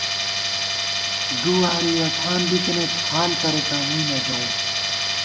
دُو واری یَہ ٹھان بِتنئیت، حال کریکان مُوئی نہ ژَوُم